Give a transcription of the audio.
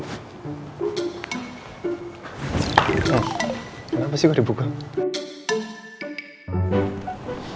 kenapa sih gue dibukang